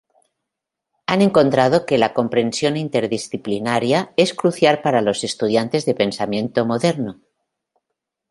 Han encontrado que la comprensión interdisciplinaria es crucial para los estudiantes de pensamiento moderno.